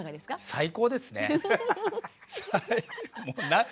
最高ですね。